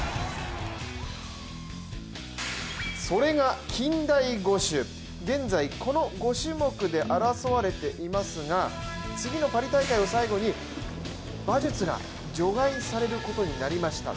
それが近代五種、現在、この五種目で争われていますが次のパリ大会を最後に馬術が除外されることになりました。